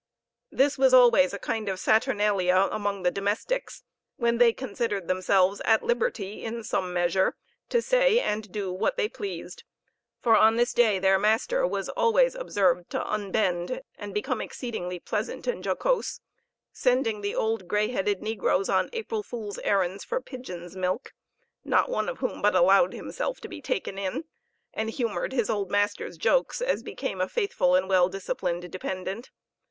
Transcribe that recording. This was always a kind of saturnalia among the domestics, when they considered themselves at liberty, in some measure, to say and do what they pleased, for on this day their master was always observed to unbend and become exceedingly pleasant and jocose, sending the old gray headed negroes on April fool's errands for pigeons' milk; not one of whom but allowed himself to be taken in, and humored his old master's jokes, as became a faithful and well disciplined dependent.